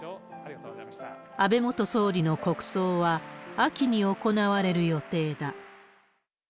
安倍元総理の国葬は、秋に行われる予定だ。